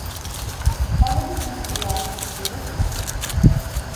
თვალები მუქია, მცირე ზომის.